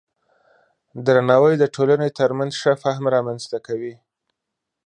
درناوی د ټولنې ترمنځ ښه فهم رامنځته کوي.